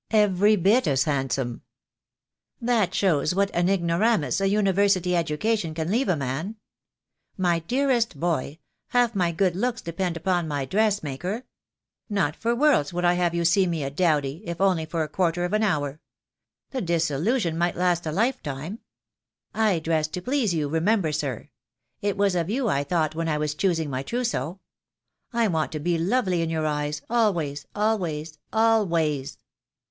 "Every bit as handsome." "That shows what an ignoramus a University educa tion can leave a man. My dearest boy, half my good looks depend upon my dressmaker. Not for worlds would I have you see me a dowdy, if only for a quarter of an hour. The disillusion might last a lifetime. I dress to please you, remember, sir. It was of you I thought when I was choosing my trousseau. I want to be lovely in your eyes always, always, always."